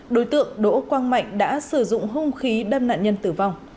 đối tượng đỗ quang mạnh đã sử dụng hung khí đâm nạn nhân tử vong